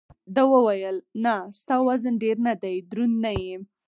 ده وویل: نه، ستا وزن ډېر نه دی، دروند نه یې.